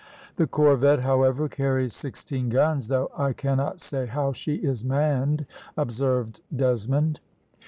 "The corvette, however, carries sixteen guns, though I cannot say how she is manned," observed Desmond.